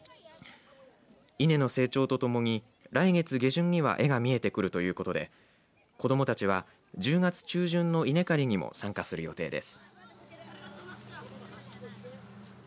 稲の成長とともに来月下旬には絵が見えてくるということで子どもたちは１０月中旬の稲刈りにも参加する予定です。